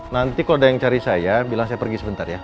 nanti kalau ada yang cari saya bilang saya pergi sebentar ya